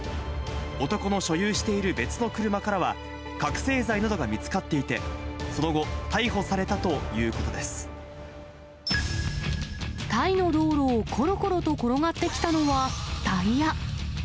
男の所有している別の車からは、覚醒剤などが見つかっていて、その後、逮捕されたということでタイの道路をころころと転がってきたのはタイヤ。